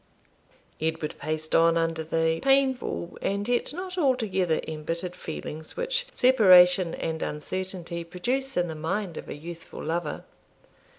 Edward paced on under the painful and yet not altogether embittered feelings which separation and uncertainty produce in the mind of a youthful lover.